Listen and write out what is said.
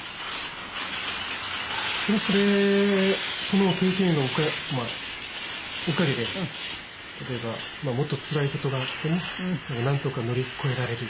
でもそれその経験のおかげで例えばもっとつらい事があってもなんとか乗り越えられる。